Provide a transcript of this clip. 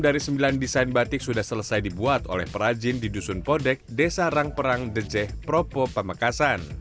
dan sesuai dengan perencanaan batik yang sudah selesai dibuat oleh perajin di dusun podek desa rang perang deceh propo pamakasan